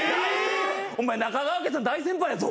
お前中川家さん大先輩やぞ。